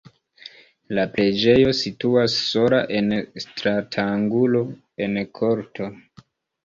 La preĝejo situas sola en stratangulo en korto.